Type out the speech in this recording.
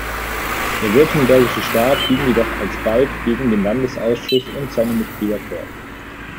Der württembergische Staat ging jedoch alsbald gegen den Landesausschuss und seine Mitglieder vor.